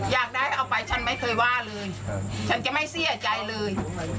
อยากได้เอาไปฉันไม่เคยว่าเลยฉันจะไม่เสียใจเลย